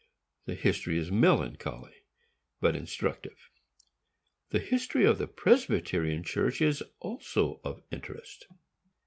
The history is melancholy, but instructive. The history of the Presbyterian Church is also of interest.